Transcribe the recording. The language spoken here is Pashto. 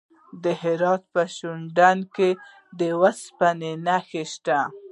د هرات په شینډنډ کې د اوسپنې نښې شته.